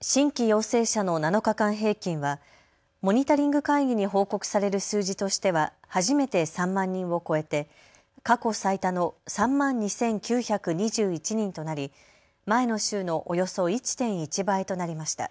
新規陽性者の７日間平均はモニタリング会議に報告される数字としては初めて３万人を超えて過去最多の３万２９２１人となり前の週のおよそ１．１倍となりました。